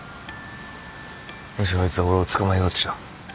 むしろあいつ俺を捕まえようとした。